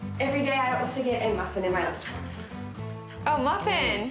あっマフィン。